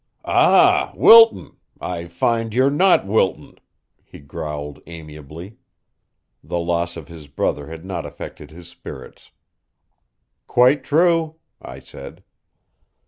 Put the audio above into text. "Ah, Wilton, I find you're not Wilton," he growled amiably. The loss of his brother had not affected his spirits. "Quite true," I said.